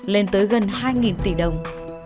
lên tới gần hai tỷ đồng